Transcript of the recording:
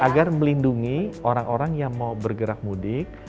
agar melindungi orang orang yang mau bergerak mudik